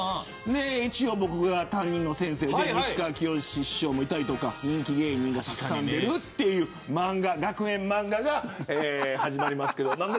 一応、僕が担任の先生で西川きよし師匠もいたりとか人気芸人がたくさん出る学園漫画が始まります。